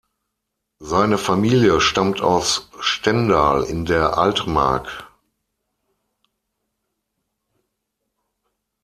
Seine Familie stammt aus Stendal in der Altmark.